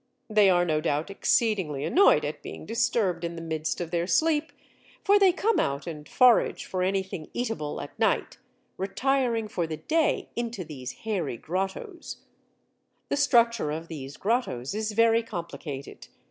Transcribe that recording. They are no doubt exceedingly annoyed at being disturbed in the midst of their sleep, for they come out and forage for anything eatable at night, retiring for the day into these hairy grottos. The structure of these grottos is very complicated.